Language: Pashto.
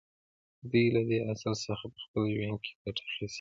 دوی له دې اصل څخه په خپل ژوند کې ګټه اخیستې ده